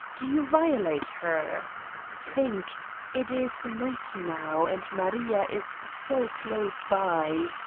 Do you violate her? Think: it is night now and Maria is so close by.